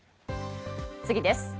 次です。